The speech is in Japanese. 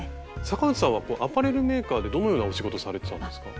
坂内さんはアパレルメーカーでどのようなお仕事されてたんですか？